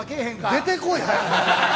◆出てこいや、早よ。